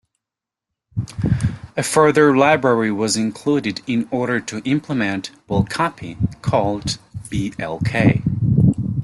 A further library was included in order to implement "Bulk Copy" called blk.